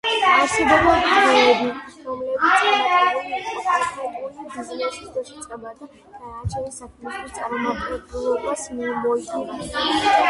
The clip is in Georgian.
არსებობდა დღეები, რომლებიც წარმატებული იყო კონკრეტული ბიზნესის დასაწყებად და დანარჩენი საქმისთვის წარუმატებლობას მოიტანდა.